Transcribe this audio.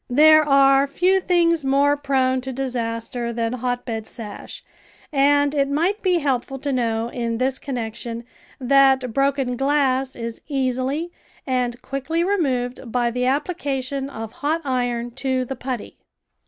There are few things more prone to disaster than hotbed sash, and it might be helpful to know in this connection that broken glass is easily and quickly removed by the application of hot iron to the putty.